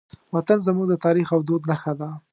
وطن زموږ د تاریخ او دود نښه ده.